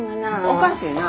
おかしいな。